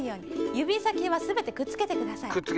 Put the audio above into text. ゆびさきはすべてくっつけてください。